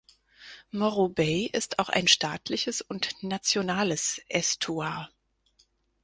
Morro Bay ist auch ein staatliches und nationales Ästuar.